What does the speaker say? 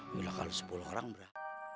udah kalau sepuluh orang berapa